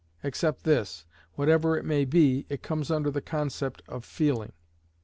Except this, whatever it may be, it comes under the concept of feeling.